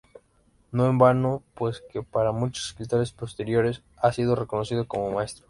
No en vano, pues, que para muchos escritores posteriores ha sido reconocido como maestro.